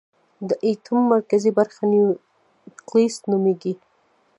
د ایټم مرکزي برخه نیوکلیس نومېږي.